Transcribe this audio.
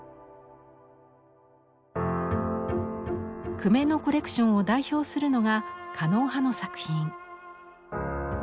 久米のコレクションを代表するのが狩野派の作品。